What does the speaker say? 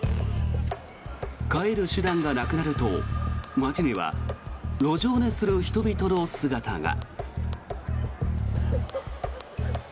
帰る手段がなくなると街には路上寝する人々の姿が。